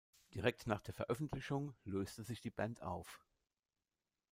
Direkt nach der Veröffentlichung löste sich die Band auf.